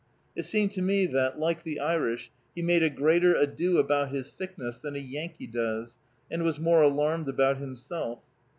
It seemed to me that, like the Irish, he made a greater ado about his sickness than a Yankee does, and was more alarmed about himself.